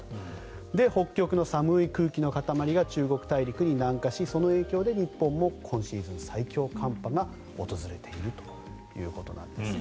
北極の寒い空気の塊が中国大陸に南下しその影響で日本も今シーズン最強寒波が訪れているということなんですよね。